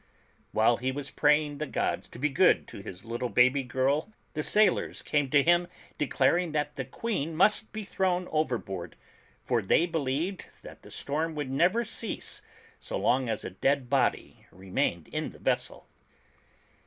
While he was praying the gods to be good to his little baby girl, the sailors came to him, dv :laring that the dead Queen must be thrown overboard, for they believed that the storm would never cease so long as a dead body remained in the vessel.